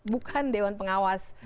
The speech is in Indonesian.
bukan dewan pengawas